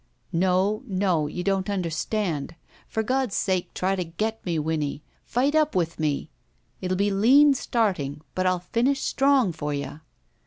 "No. No. You don't understand. For God's sake try to get me, Winnie. Fight up with me. It 'U be lean, starting, but I'll finish strong for you."